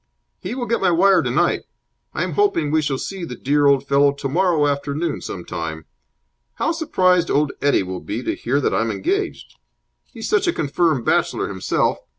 "He will get my wire tonight. I'm hoping we shall see the dear old fellow tomorrow afternoon some time. How surprised old Eddie will be to hear that I'm engaged. He's such a confirmed bachelor himself.